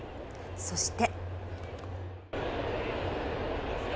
そして。